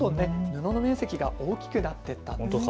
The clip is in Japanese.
布の面積が大きくなっていきました。